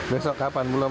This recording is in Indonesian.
besok kapan belum